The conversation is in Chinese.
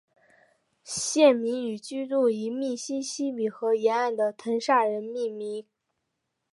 县名以居住于密西西比河沿岸的滕萨人命名。